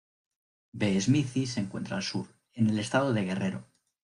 B. smithi se encuentra al sur, en el estado de Guerrero.